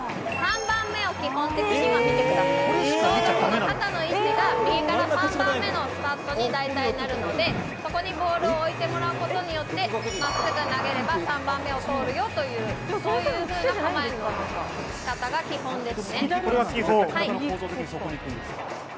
肩の位置が右から３番目のスパットにだいたいなるので、そこにボールを置いてもらうことによって、真っすぐ投げれば３番目を通るよという、そういう構えです。